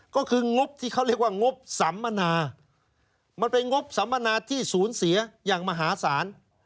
ก็คืองบที่เขาเรียกว่างบสัมมนามันเป็นงบสัมมนาที่ศูนย์เสียอย่างมหาศาล